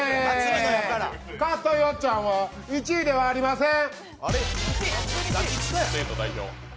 カットよっちゃんは１位ではありません。